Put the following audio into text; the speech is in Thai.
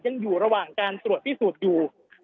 ยังอยู่ระหว่างการตรวจพิสูจน์อยู่